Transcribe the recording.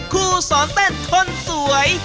ครูสอนเต้นคนสวย